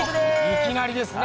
いきなりですね。